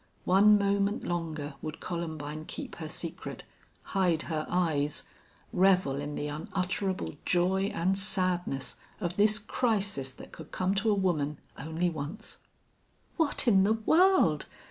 One moment longer would Columbine keep her secret hide her eyes revel in the unutterable joy and sadness of this crisis that could come to a woman only once. "What in the world?"